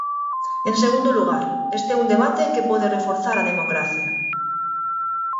En segundo lugar, este é un debate que pode reforzar a democracia.